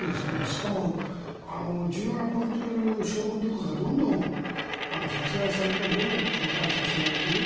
しかも、重要なポイントにいる将軍とかがどんどん殺害されたりどんどん交代させられてる。